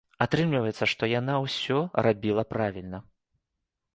Атрымліваецца, што яна ўсё рабіла правільна.